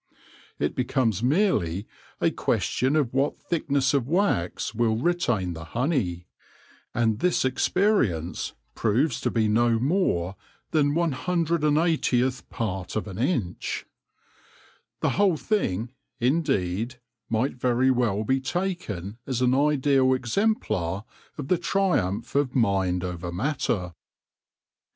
It becomes merely a question of what thickness of wax will retain the honey; and this f 2 t44 THE LORE OF THE HONEY BEE experience proves to be no more than T hr part of an inch. The whole thing, indeed, might very well be taken as an ideal exemplar of the triumph of mind over matter.